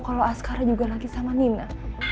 kalau askara juga lagi sama nina